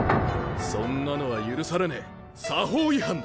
そんなのは許されねえ作法違反だ。